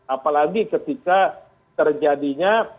apalagi ketika terjadinya